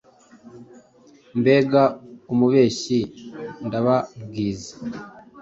Mbega umubeshyi! Ndababwiza